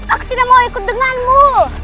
aku tidak mau ikut denganmu